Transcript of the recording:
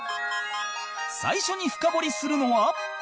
最初に深掘りするのは